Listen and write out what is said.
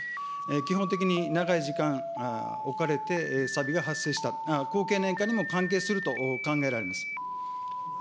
基本的に長い時間置かれてさびが発生した、高経年化にも関係すると考えられます。